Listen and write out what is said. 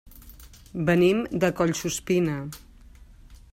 Venim de Collsuspina.